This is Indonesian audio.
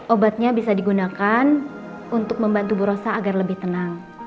obatnya bisa digunakan untuk membantu bu rosa agar lebih tenang